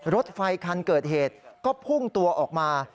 รถไฟคันเกิดเหตุก็พุ่งตัวออกมา